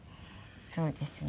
そうですね。